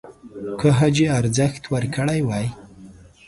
که حاجي ارزښت ورکړی وای